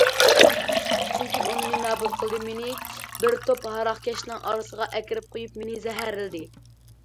چۈنكى ئۇ مېنى نابۇت قىلدى... مېنى بىر توپ ھاراقكەشنىڭ ئارىسىغا ئەكىرىپ قويۇپ مېنى زەھەرلىدى.